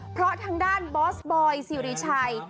เพราะทางด้านบอสบอยสิริชัย